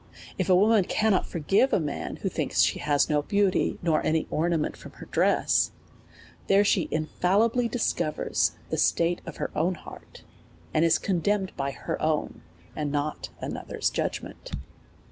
If a woman cannot forgive a man who thinks siic has no beauty, nor any ornament from her dress, there she infallibly discovers the state of her own heurt, and is condemned by her own, and not another's judgment.